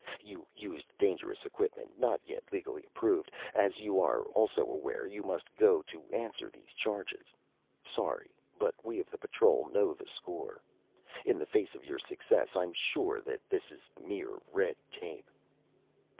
You used dangerous equipment, not yet legally approved. As you are also aware, you must go to answer these charges. Sorry. But we of the Patrol know the score. In the face of your success I'm sure that this is mere red tape."